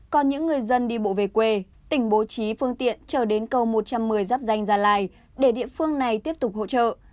còn những người dân đi bộ về quê tỉnh bố trí phương tiện trở đến cầu một trăm một mươi giáp danh gia lai để địa phương này tiếp tục hỗ trợ